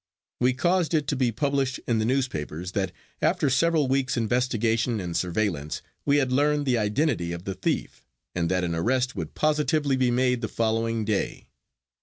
We caused it to be published in the newspapers that after several weeks investigation and surveillance we had learned the identity of the thief, and that an arrest would positively be made the following day.